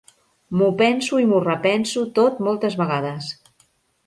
M'ho penso i m'ho repenso tot moltes vegades.